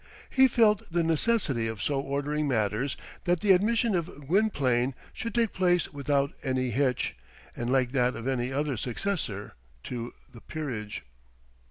He felt the necessity of so ordering matters that the admission of Gwynplaine should take place without any hitch, and like that of any other successor to the peerage.